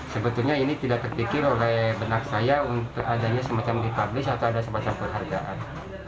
sebetulnya ini tidak terpikir oleh benak saya untuk adanya semacam dipublish atau ada semacam penghargaan